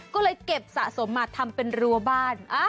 ก็เลยเก็บสะสมมาทำเป็นรัวบ้าน